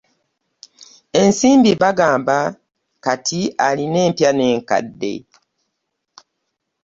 Ensimbi bagamba kati alina empya n'enkadde.